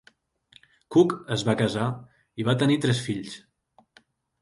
Cook es va casar i va tenir tres fills.